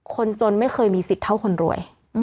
คนจนไม่เคยมีสิทธิ์เท่าคนรวย